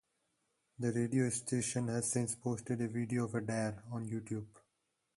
The radio station has since posted a video of the dare on YouTube.